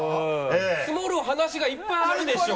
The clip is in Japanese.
積もる話がいっぱいあるでしょう？